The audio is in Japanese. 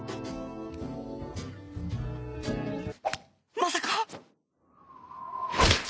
まさか！